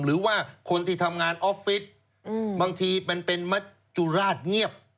หรือว่าคนที่ทำงานออฟฟิศบางทีมันเป็นมัจจุราชเงียบ